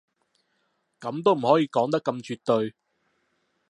噉都唔可以講得咁絕對